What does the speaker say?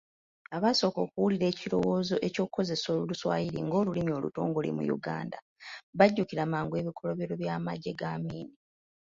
Abasooka okuwulira ekirowoozo eky'okukozesa oluswayiri ng'olulimi olutongole mu Uganda bajjukira mangu ebikolobero by'amagye ga Amin.